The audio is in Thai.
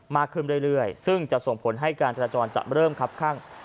มากขึ้นเรื่อยซึ่งจะส่งผลให้การจราจรจะเริ่มคับข้าง